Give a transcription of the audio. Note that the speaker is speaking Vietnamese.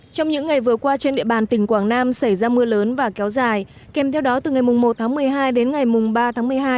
trong những ngày vừa qua trên địa bàn tỉnh quảng nam xảy ra mưa lớn và kéo dài kèm theo đó từ ngày một tháng một mươi hai đến ngày ba tháng một mươi hai